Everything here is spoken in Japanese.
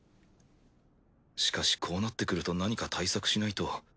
しかしこうなってくると何か対策しないと。